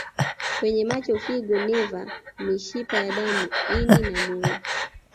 kwenye macho figo neva mishipa ya damu ini na moyo